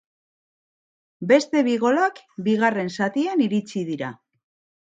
Beste bi golak bigarren zatian iritsi dira.